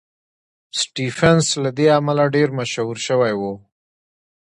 سټېفنس له دې امله ډېر مشهور شوی و.